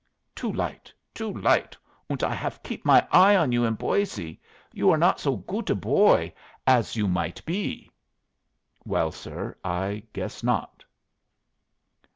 "Too light, too light. Und I haf keep my eye on you in Boise. You are not so goot a boy as you might be." "Well, sir, I guess not."